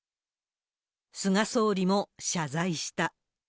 菅総理も謝罪した。